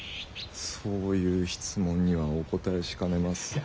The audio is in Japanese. そういう質問にはお答えしかねます。